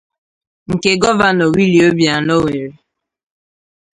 nke gọvanọ Willie Obianọ nwere